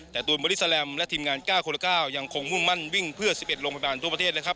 แต่ตูนบอริสแรมและทีมงาน๙๙๙ยังคงมุ่งมั่นวิ่งเพื่อ๑๑ลงประมาณทั่วประเทศ